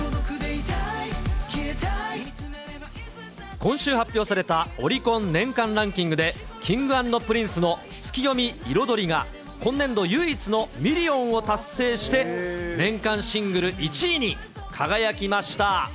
今週発表されたオリコン年間ランキングで、Ｋｉｎｇ＆Ｐｒｉｎｃｅのツキヨミ／彩りが、今年度唯一のミリオンを達成して、年間シングル１位に輝きました。